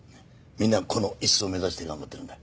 みんなこの椅子を目指して頑張っているんだ。